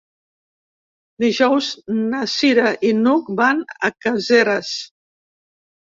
Dijous na Cira i n'Hug van a Caseres.